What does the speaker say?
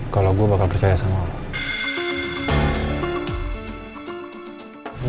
kalau gue bakal percaya sama orang